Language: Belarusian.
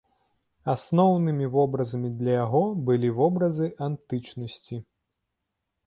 Асноўнымі вобразамі для яго былі вобразы антычнасці.